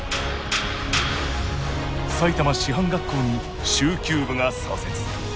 埼玉師範学校に蹴球部が創設。